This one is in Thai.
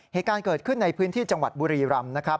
เหตุการณ์เกิดขึ้นในพื้นที่จังหวัดบุรีรำนะครับ